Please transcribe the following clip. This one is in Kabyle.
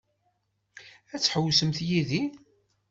Ad tḥewwsemt yid-i?